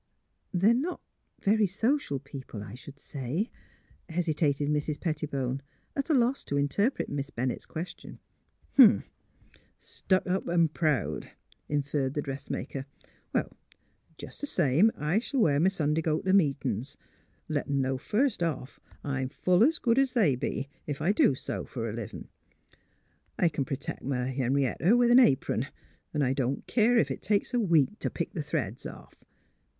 "'' They 're not — very social , people, I should say," hesitated Mrs. Pettibone, at a loss to inter pret Miss Bennett's question. " Huh ! stuck up an' proud," inferred the dress maker. ^' Jes' th' same, I shall wear m' Sunday go t' meetin's. Let 'em know first off I'm full es good es they be, ef I do sew fer a livin'. I c'n pertect m' Henrietta with an apron; 'n' I don't keer ef it takes a week t' pick th' threads off."